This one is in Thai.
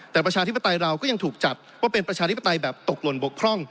แต่ประชาธิปไตยเราก็ยังถูกจัดว่าเป็นประชาธิปไตยแบบตกหล่นบกพร่อง